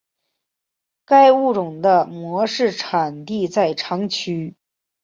该物种的模式产地在长崎。